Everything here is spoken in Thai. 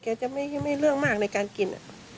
แกจะไม่เลือกมากในการกิน